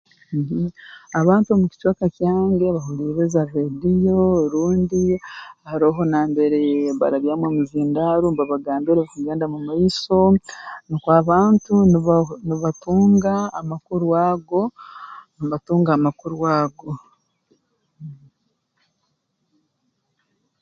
Mmh abantu omu kicweka kyange bahuliiriza rreediyoo rundi haroho nambere barabyamu omuzindaaro mbabagambira ebikugenda omu maiso nukwo abantu niba nibatunga amakuru ago mbatunga amakuru ago